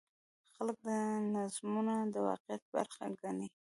خلک دا نظمونه د واقعیت برخه ګڼي.